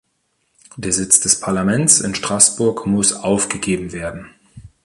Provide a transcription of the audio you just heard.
Der Sitz des Parlaments in Straßburg muss aufgegeben werden.